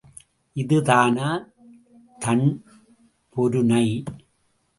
இதுதானா தண் பொருநை?